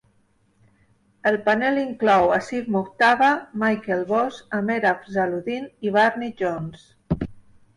El panel inclou Asif Mujtaba, Michael Voss, Amer Afzaluddin i Barney Jones.